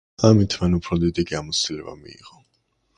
ამით მან უფრო დიდი გამოცდილება მიიღო.